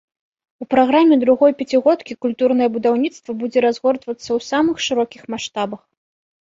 У праграме другой пяцігодкі культурнае будаўніцтва будзе разгортвацца ў самых шырокіх маштабах.